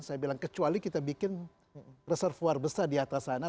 saya bilang kecuali kita bikin reservoir besar di atas sana